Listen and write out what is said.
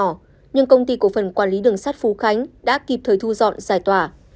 nhưng công ty cổ phần quản lý đường sắt phú khánh đã kịp thời thu dọn giải tỏa